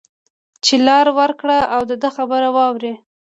چې لار ورکړی او د ده خبره واوري